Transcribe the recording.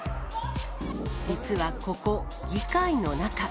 実はここ、議会の中。